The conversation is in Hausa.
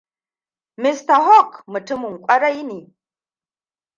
Mr Hawk mutumin ƙwarai ne.